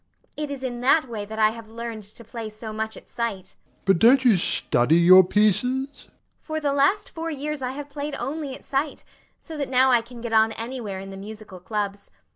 It is in that way that I have learned to play so much at sight. DOMINIE. But don't you study your pieces? FATIMA. For the last four years I have played only at sight, so that now I can get on anywhere in the musical clubs.